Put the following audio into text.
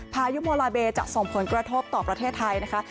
พายุโมลาเบจะส่งผลกระทบต่อประเทศไทยนะคะ